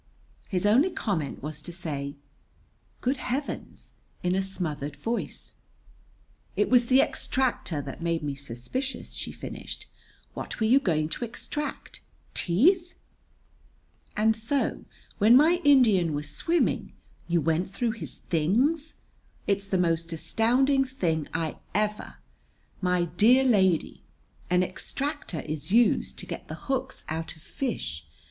His only comment was to say, "Good Heavens!" in a smothered voice. "It was the extractor that made me suspicious," she finished. "What were you going to extract? Teeth?" "And so, when my Indian was swimming, you went through his things! It's the most astounding thing I ever My dear lady, an extractor is used to get the hooks out of fish.